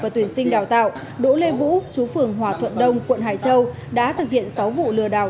và tuyển sinh đào tạo đỗ lê vũ chú phường hòa thuận đông quận hải châu đã thực hiện sáu vụ lừa đảo